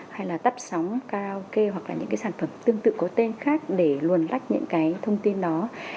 hay là tắt sóng karaoke hoặc là những cái sản phẩm tương tự có tên khác để luồn lách những cái thông tin đó